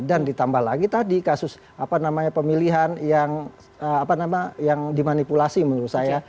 dan ditambah lagi tadi kasus pemilihan yang dimanipulasi menurut saya